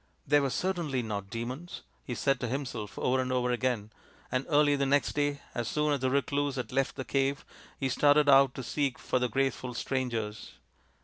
" They were certainly not demons," he said to himself over and over again ; and early the next day, as soon as the recluse had left the cave, he started out to seek for the graceful strangers.